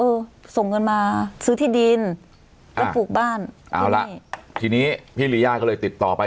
ส่งเงินมาซื้อที่ดินแล้วปลูกบ้านเอาละทีนี้พี่ลีย่าก็เลยติดต่อไป